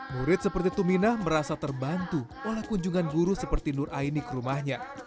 murid seperti tuminah merasa terbantu oleh kunjungan guru seperti nur aini ke rumahnya